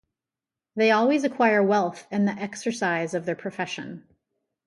They always acquire wealth in the exercise of their profession.